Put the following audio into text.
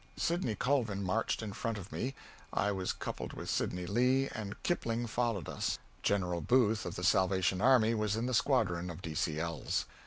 Sidney Colvin marched in front of me; I was coupled with Sidney Lee, and Kipling followed us; General Booth, of the Salvation Army, was in the squadron of D.C.L.'s.